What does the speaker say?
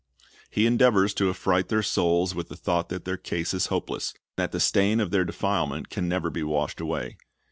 He endeavors to affright their souls with the thought that their case is hopeless, that the stain of their defilement can never be washed away.